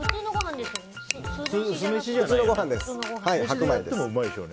普通のご飯ですよね？